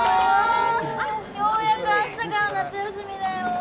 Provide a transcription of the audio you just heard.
ようやく明日から夏休みだよ